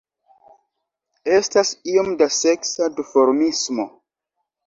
Estas iom da seksa duformismo.